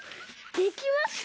できました！